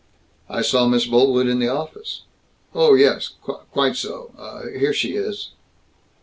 "I saw Miss Boltwood in the office." "Oh yes. Quite so. Uh ah, here she is."